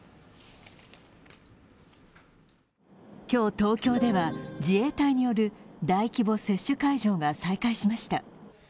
今日、東京では自衛隊による大規模接種会場が再開しました。